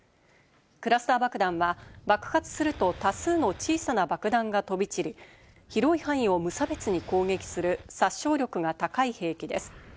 クラスター爆弾は爆発すると多数の小さな爆弾が飛び散り、広い範囲を無差別に攻撃する殺傷力が高い兵器です。